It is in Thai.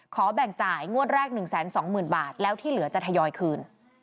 แบ่งจ่ายงวดแรก๑๒๐๐๐บาทแล้วที่เหลือจะทยอยคืน